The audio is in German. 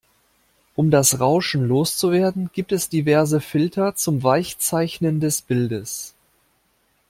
Um das Rauschen loszuwerden gibt es diverse Filter zum Weichzeichnen des Bildes.